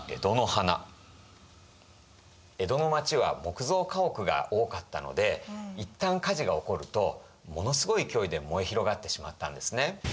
江戸の町は木造家屋が多かったのでいったん火事が起こるとものすごい勢いで燃え広がってしまったんですね。